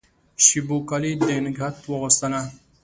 شېبو کالي د نګهت واغوستله